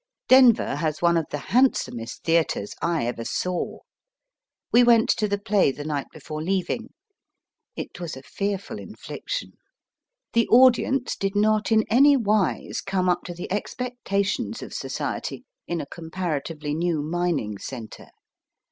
Denver has one of the handsomest theatres I ever saw. We went to the play the night before leaving. It was a fearful infliction. The audience did not in any wise come up to the expectations of society in a comparatively new mining centre.